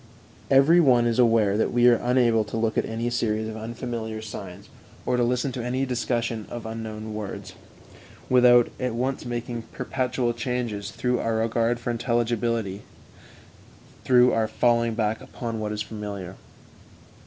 Every one is aware that we are unable to look at any series of unfamiliar signs, or to listen to a discussion of unknown words, without at once making perpetual changes through our regard for intelligibility, through our falling back upon what is familiar.